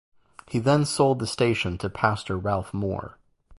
He then sold the station to Pastor Ralph Moore.